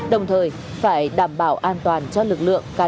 đồng thời phải đảm bảo an toàn cho lực lượng